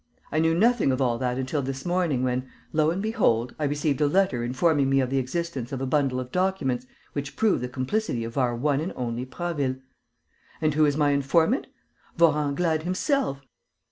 I knew nothing of all that until this morning, when, lo and behold, I received a letter informing me of the existence of a bundle of documents which prove the complicity of our one and only Prasville! And who is my informant? Vorenglade himself!